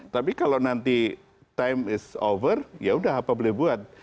tapi kalau nanti time is over ya udah apa boleh buat